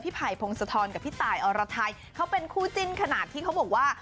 ไผ่พงศธรกับพี่ตายอรไทยเขาเป็นคู่จิ้นขนาดที่เขาบอกว่า